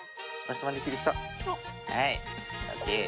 はいＯＫ。